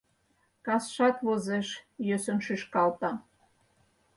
Касшат возеш - йӧсын шӱшкалта.